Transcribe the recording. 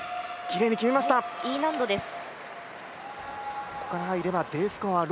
Ｅ難度です。